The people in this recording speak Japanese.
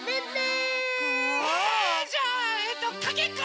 えじゃあえっとかけっこ！